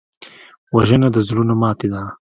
وژنه د زړونو ماتې ده